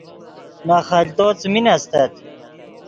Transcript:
نے خلتو څیمین استت